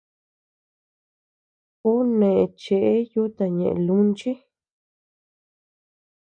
Ú neʼe cheʼe yuta ñeʼe lunchi.